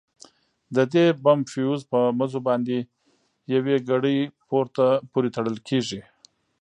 د دې بم فيوز په مزو باندې يوې ګړۍ پورې تړل کېږي.